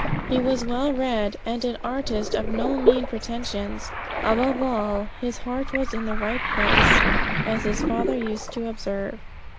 He was well read, and an artist of no mean pretensions. Above all, "his heart was in the right place," as his father used to observe.